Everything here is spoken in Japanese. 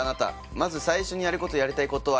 まず最初にやることやりたいことは？